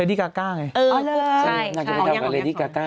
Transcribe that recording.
เรดดี้กาก้าไงเออเลยใช่นางจะมีงานกับเรดดี้กาก้า